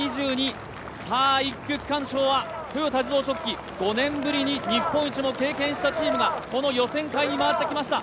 さぁ、１区区間賞は豊田自動織機、５年ぶりに日本一を経験したチームがこの予選会に回ってきました。